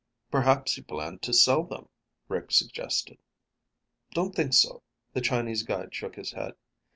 "Perhaps he planned to sell them," Rick suggested. "Don't think so." The Chinese guide shook his head.